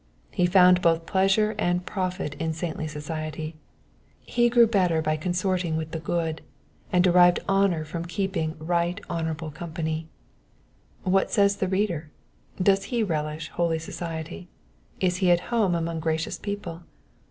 He found both pleasure and profit in saintly society : he grew better by consorting with the good, and aerived honour from keeping right honourable company. What says the reader? Does he relish noly society ? Is he at home among gracious people